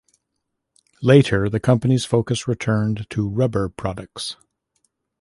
Later, the company's focus returned to rubber products.